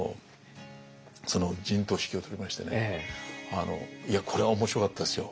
その陣頭指揮を執りましてねいやこれは面白かったですよ。